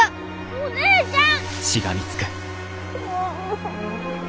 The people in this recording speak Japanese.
お姉ちゃん！